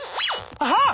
あっ！